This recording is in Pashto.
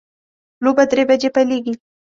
لوبه درې بجې پیلیږي